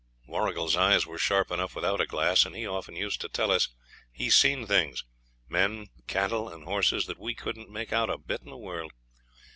Warrigal's eyes were sharp enough without a glass, and he often used to tell us he seen things men, cattle, and horses that we couldn't make out a bit in the world.